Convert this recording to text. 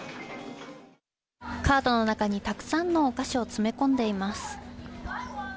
カートの中にたくさんのお菓子を詰め込んでいます。